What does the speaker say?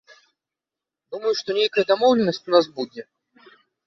Думаю, што нейкая дамоўленасць у нас будзе.